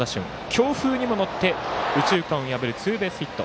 強風にも乗って右中間を破るツーベースヒット。